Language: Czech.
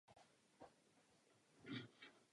Podle mne je to správné řešení.